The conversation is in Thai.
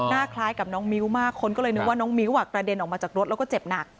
คล้ายกับน้องมิ้วมากคนก็เลยนึกว่าน้องมิ้วกระเด็นออกมาจากรถแล้วก็เจ็บหนัก